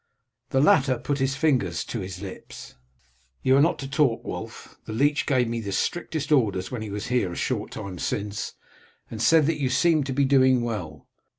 The latter put his finger to his lips. "You are not to talk, Wulf. The leech gave me the strictest orders when he was here a short time since, and said that you seemed to be doing well.